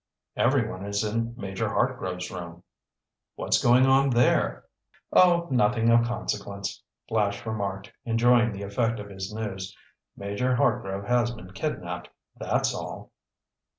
"Everyone is in Major Hartgrove's room." "What's going on there?" "Oh, nothing of consequence," Flash remarked, enjoying the effect of his news. "Major Hartgrove has been kidnapped—that's all."